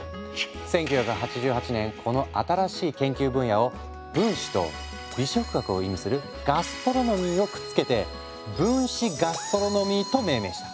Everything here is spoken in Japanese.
１９８８年この新しい研究分野を分子と美食学を意味するガストロノミーをくっつけて「分子ガストロノミー」と命名した。